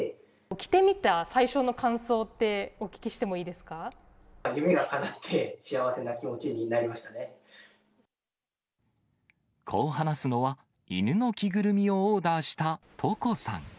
着てみた最初の感想って、夢がかなって、幸せな気持ちこう話すのは、犬の着ぐるみをオーダーしたトコさん。